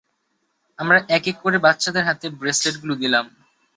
আমরা এক এক করে বাচ্চাদের হাতে ব্রেসলেটগুলো দিলাম।